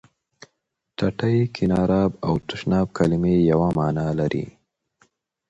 ټټۍ، کېناراب او تشناب کلمې یوه معنا لري.